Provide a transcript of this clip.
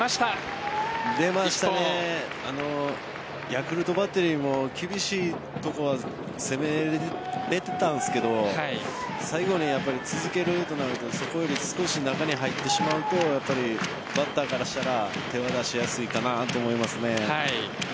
ヤクルトバッテリーも厳しいところは攻められていたんですけど最後に続けるとなるとそこより少し中に入ってしまうとバッターからしたら手は出しやすいかなと思いますね。